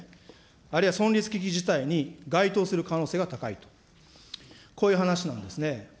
あるいは存立危機事態に該当する可能性が高いと、こういう話なんですね。